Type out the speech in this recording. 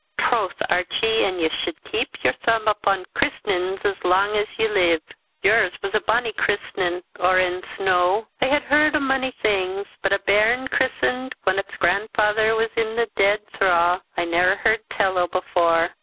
"Troth, Archie an' ye sude keep your thoomb upon kirsnins as lang's ye leeve; yours was a bonnie kirsnin or ens no! I hae heard o' mony things, but a bairn kirsened whan its grandfaither was i' the deed thraw, I ne'er heard tell o' before."